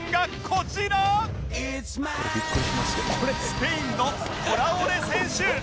スペインのトラオレ選手